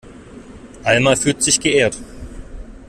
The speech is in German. Alma fühlt sich geehrt.